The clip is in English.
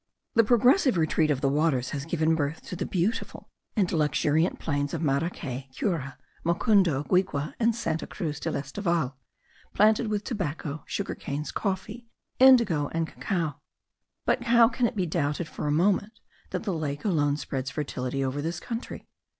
The progressive retreat of the waters has given birth to the beautiful and luxuriant plains of Maracay, Cura, Mocundo, Guigue, and Santa Cruz del Escoval, planted with tobacco, sugar canes, coffee, indigo, and cacao; but how can it be doubted for a moment that the lake alone spreads fertility over this country?